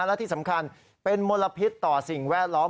และที่สำคัญเป็นมลพิษต่อสิ่งแวดล้อม